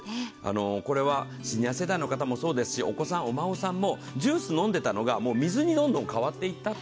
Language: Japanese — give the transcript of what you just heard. これはシニア世代の方もそうですし、お子さん、お孫さんもジュース飲んでたのが水にどんどん変わっていったって。